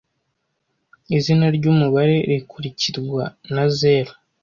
Izina ryumubare rikurikirwa na zeru